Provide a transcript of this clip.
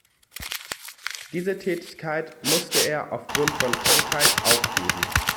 Diese Tätigkeit musste er aufgrund von Krankheit aufgeben.